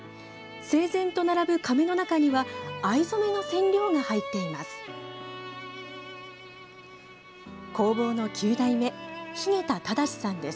整然と並ぶ、かめの中には藍染めの染料が入っています。